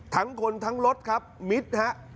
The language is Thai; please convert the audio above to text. ทั้งคนทั้งรถครับมิดฮะ